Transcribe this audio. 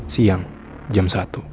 siang jam satu